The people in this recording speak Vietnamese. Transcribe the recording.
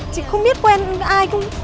chị không biết quen ai